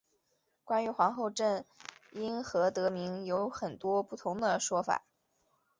关于皇后镇因何得名有很多不同的说法。